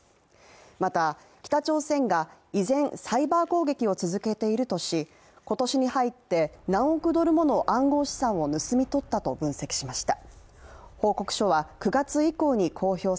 また北朝鮮が依然、サイバー攻撃を続けているとし、今年に入って何億ドルもの暗号資産を盗み取ったと分析しました。